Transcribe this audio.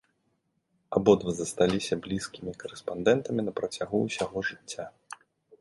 Абодва засталіся блізкімі карэспандэнтамі на працягу ўсяго жыцця.